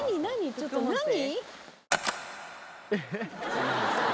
ちょっと何？